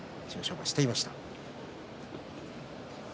馬はしていました。